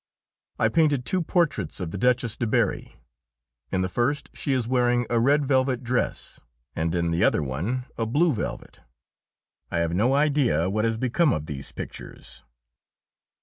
I painted two portraits of the Duchess de Berri. In the first she is wearing a red velvet dress, and in the other one of blue velvet. I have no idea what has become of these pictures.